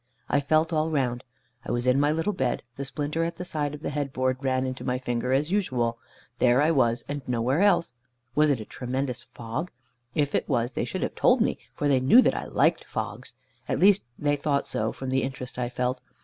I felt all round. I was in my little bed, the splinter at the side of the head board ran into my finger as usual. There I was, and nowhere else. Was it a tremendous fog? If it was, they should have told me, for they knew that I liked fogs. At least they thought so, from the interest I felt.